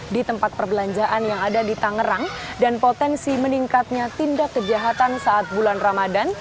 di tempat perbelanjaan yang ada di tangerang dan potensi meningkatnya tindak kejahatan saat bulan ramadan